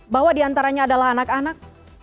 bahwa diantaranya adalah anak anak